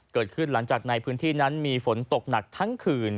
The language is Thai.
เกิดขึ้นหลังจากในพื้นที่นั้นมีฝนตกหนักทั้งคืน